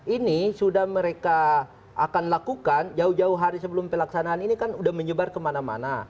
ini sudah mereka akan lakukan jauh jauh hari sebelum pelaksanaan ini kan sudah menyebar kemana mana